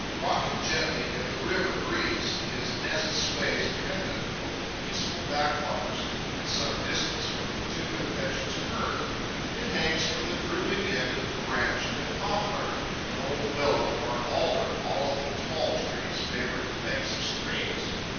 Rocking gently in the river breeze, his nest sways pendent over the peaceful backwaters, at some distance from the too impetuous current. It hangs from the drooping end of the branch of a poplar, an old willow or an alder, all of them tall trees, favouring the banks of streams.